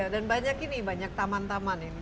dan banyak ini banyak taman taman